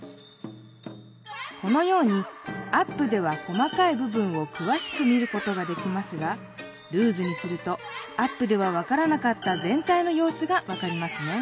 このようにアップではこまかいぶ分をくわしく見ることができますがルーズにするとアップでは分からなかったぜん体のようすが分かりますね。